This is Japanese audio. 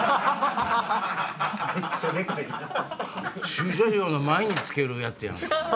駐車場の前につけるやつやん。